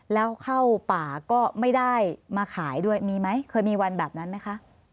แล้วเข้าป่าก็ไม่ได้มาขายด้วยมีไหมเคยมีวันแบบนั้นไหมคะ